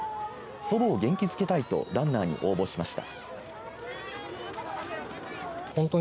祖母を元気づけたいとランナーに応募しました。